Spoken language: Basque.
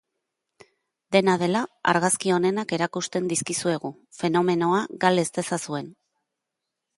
Dena dela, argazki onenak erakusten dizkizuegu, fenomenoa gal ez dezazuen.